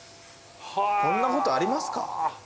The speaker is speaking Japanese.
こんなことありますか？